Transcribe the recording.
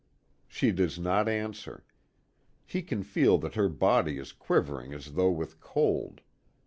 She does not answer. He can feel that her body is quivering as though with cold.